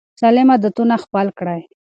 سالم عادتونه خپل کړئ.